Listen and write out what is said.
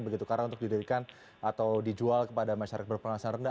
begitu karena untuk didirikan atau dijual kepada masyarakat berpenghasilan rendah